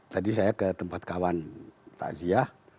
tadi saya ke tempat kawan takziah